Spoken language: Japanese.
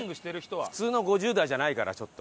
普通の５０代じゃないからちょっと。